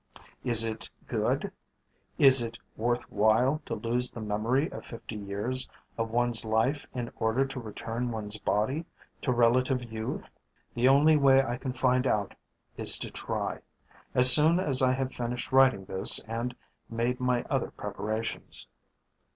"Is it good? Is it worth while to lose the memory of fifty years of one's life in order to return one's body to relative youth? The only way I can find out is to try, as soon as I have finished writing this and made my other preparations.